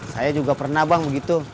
saya juga pernah bang begitu